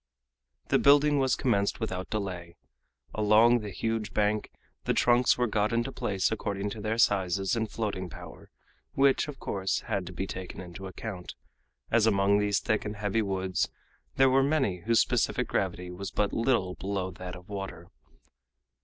The building was commenced without delay. Along the huge bank the trunks were got into place according to their sizes and floating power, which of course had to be taken into account, as among these thick and heavy woods there were many whose specific gravity was but little below that of water.